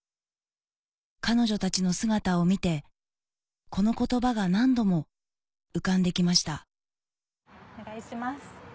彼女たちの姿を見てこの言葉が何度も浮かんで来ましたお願いします。